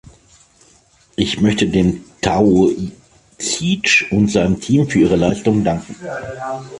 Ich möchte dem Taoiseach und seinem Team für ihre Leistungen danken.